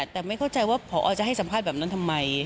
แต่ไม่เข้าใจว่าพอจะให้สัมภาษณ์แบบนั้นทำไม